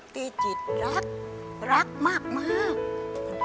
จิตรักรักมาก